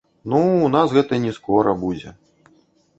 Ну, у нас гэта не скора будзе!